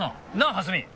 蓮見。